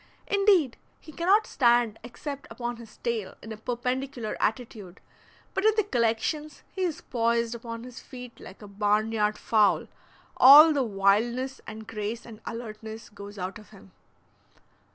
Indeed, he cannot stand except upon his tail in a perpendicular attitude, but in the collections he is poised upon his feet like a barn yard fowl, all the wildness and grace and alertness goes out of him.